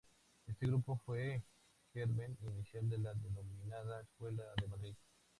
Este grupo fue el germen inicial de la denominada Escuela de Madrid.